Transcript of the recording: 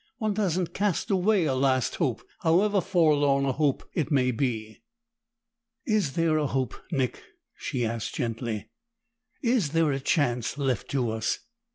One doesn't cast away a last hope, however forlorn a hope it may be!" "Is there a hope, Nick?" she asked gently. "Is there a chance left to us?"